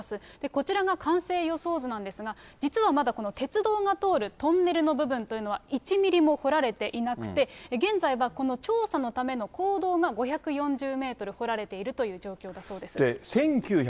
こちらが完成予想図なんですが、実はまだ、この鉄道が通るトンネルの部分というのは、１ミリも掘られていなくて、現在はこの調査のための坑道が５４０メートル掘られているという１９８１年。